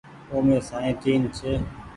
اومي سائين تين ڇي۔